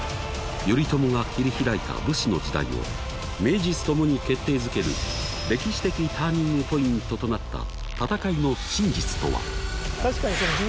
頼朝が切り開いた「武士の時代」を名実ともに決定づける歴史的ターニングポイントとなった戦いの真実とは？